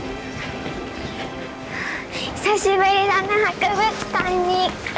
久しぶりだな博物館に行くの。